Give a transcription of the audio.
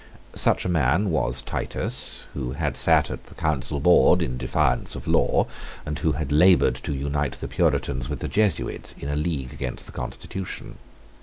Such a man was Titus, who had sate at the Council board in defiance of law, and who had laboured to unite the Puritans with the Jesuits in a league against the constitution.